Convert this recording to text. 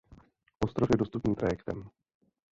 Ostrov je dostupný trajektem.